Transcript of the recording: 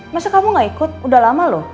masa kamu gak ikut udah lama loh